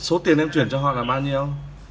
số tiền em chuyển cho họ là bao nhiêu